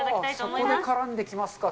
そこで絡んできますか。